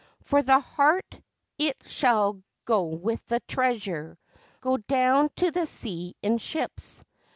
For the heart it shall go with the treasure go down to the sea in ships.